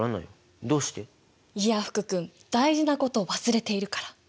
いや福君大事なことを忘れているから。